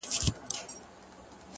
• که غچيدله زنده گي په هغه ورځ درځم؛